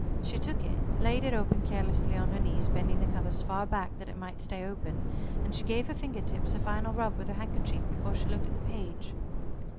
She took it, laid it open carelessly on her knees, bending the covers far back that it might stay open, and she gave her finger tips a final rub with her handkerchief before she looked at the page.